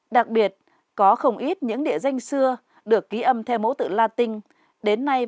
đặc biệt có không ít những địa danh xưa được ký âm theo mẫu tự latin